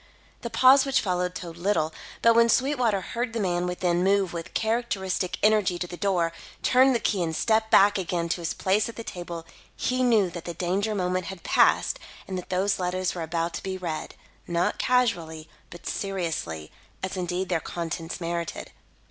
The pause which followed told little; but when Sweetwater heard the man within move with characteristic energy to the door, turn the key and step back again to his place at the table, he knew that the danger moment had passed and that those letters were about to be read, not casually, but seriously, as indeed their contents merited.